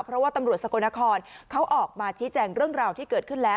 เพราะว่าตำรวจสกลนครเขาออกมาชี้แจงเรื่องราวที่เกิดขึ้นแล้ว